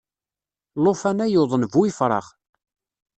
Llufan-a yuḍen bu yefrax.